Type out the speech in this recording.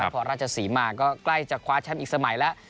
ขอราชศรีมาก็ใกล้จะคว้าแชมป์อีกสมัยแล้ว